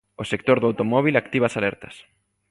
O sector do automóbil activa as alertas.